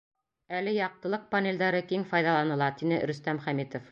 Әле яҡтылыҡ панелдәре киң файҙаланыла, — тине Рөстәм Хәмитов.